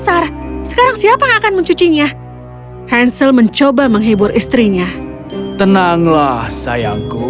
aku akan mulai mandi